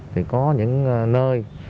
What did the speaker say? thì có những nơi